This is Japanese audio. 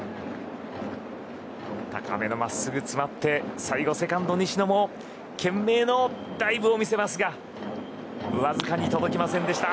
高めのまっすぐ、詰まって最後、セカンド西野の懸命のダイブを見せましたがわずかに届きませんでした。